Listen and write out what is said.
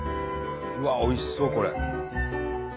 うわっおいしそうこれ。